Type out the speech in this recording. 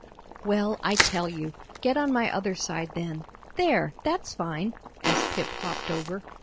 "Well, I tell you, get on my other side, then, there, that's fine," as Pip hopped over.